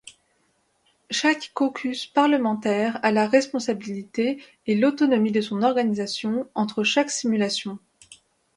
Chaque caucus parlementaire a la responsabilité et l'autonomie de son organisation entre chaque simulation.